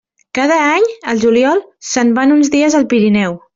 Cada any, al juliol, se'n van uns dies al Pirineu.